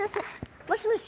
もしもし？